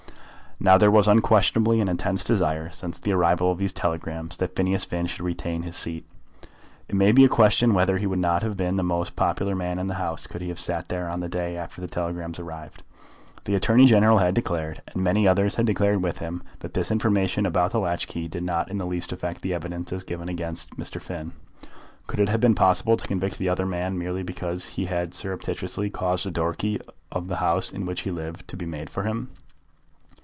Now there was unquestionably an intense desire, since the arrival of these telegrams, that Phineas Finn should retain his seat. It may be a question whether he would not have been the most popular man in the House could he have sat there on the day after the telegrams arrived. The Attorney General had declared, and many others had declared with him, that this information about the latch key did not in the least affect the evidence as given against Mr. Finn. Could it have been possible to convict the other man, merely because he had surreptitiously caused a door key of the house in which he lived to be made for him?